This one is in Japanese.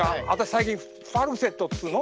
最近ファルセットっつうの？